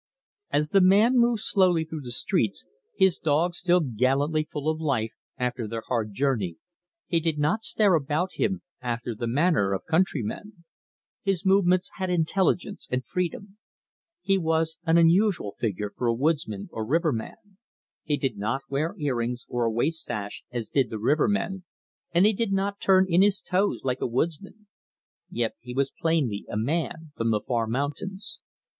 As the man moved slowly through the streets, his dogs still gallantly full of life after their hard journey, he did not stare about him after the manner of countrymen. His movements had intelligence and freedom. He was an unusual figure for a woodsman or river man he did not wear ear rings or a waist sash as did the river men, and he did not turn in his toes like a woodsman. Yet he was plainly a man from the far mountains.